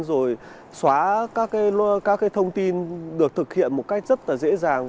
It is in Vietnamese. rồi xóa các thông tin được thực hiện một cách rất dễ dàng